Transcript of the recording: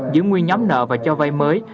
giữ nguyên nhóm nợ và cho vay mới